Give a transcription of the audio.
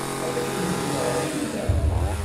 Ad kem-tenɣ Linda.